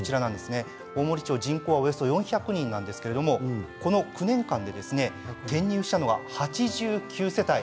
大森町人口はおよそ４００人なんですがこの９年間で定住したのは８９世帯。